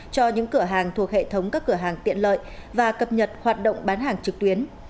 cho những cửa hàng thuộc hệ thống các cửa hàng tiện lợi và cập nhật hoạt động bán hàng trực tuyến